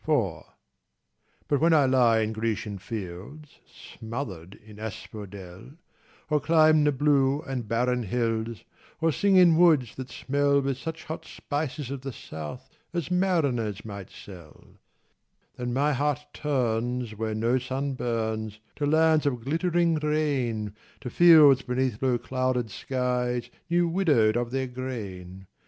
IV But when I lie in Grecian fields, Smothered in asphodel, Or climb the blue and barren hills, Or sing in woods that smell With such hot spices of the South As mariners might sell ŌĆö Then my heart turns where no sun burns, To lands of glittering rain, To fields beneath low clouded skies New widowed of their grain.